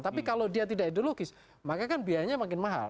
tapi kalau dia tidak ideologis maka kan biayanya makin mahal